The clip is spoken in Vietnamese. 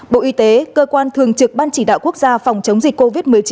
bộ y tế cơ quan thường trực ban chỉ đạo quốc gia phòng chống dịch covid một mươi chín